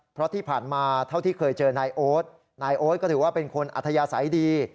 เพราะที่ผ่านมาเท่าที่เคยเจอนายโอ๊ตนายโอ๊ตก็ถือว่าเป็นคนอัธยาศัยดี